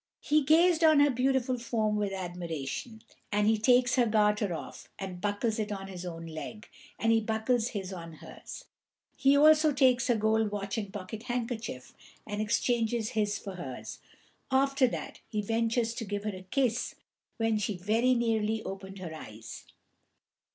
He gazed on her beautiful form with admiration, and he takes her garter off, and buckles it on his own leg, and he buckles his on hers; he also takes her gold watch and pocket handkerchief, and exchanges his for hers; after that he ventures to give her a kiss, when she very nearly opened her eyes.